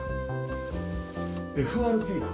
ＦＲＰだ。